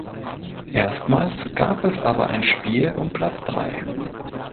Erstmals gab es aber ein Spiel um Platz drei.